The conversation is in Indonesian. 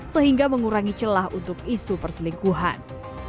sehingga mengurangi celah untuk isu perselingkuhan